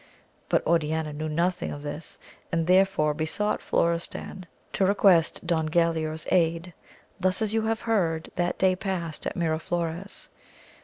But Oriana knew nothing of this and therefore besought Elorestan to request Don Gulaor's aid. Thus as you have heard, that day passed at Miraflores.